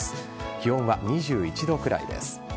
気温は２１度くらいです。